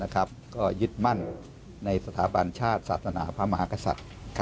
ก็ยึดมั่นในสถาบันชาติศาสนาพระมหากษัตริย์